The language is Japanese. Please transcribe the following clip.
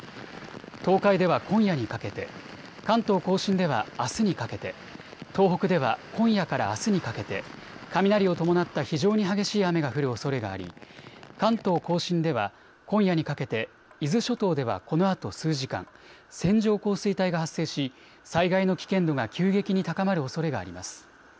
東海では今夜にかけて、関東甲信ではあすにかけて、東北では今夜からあすにかけて雷を伴った非常に激しい雨が降るおそれがあり、関東甲信では今夜にかけて、伊豆諸島ではこのあと数時間、線状降水帯が発生し災害の危険度が急激に高まるおそれがあります。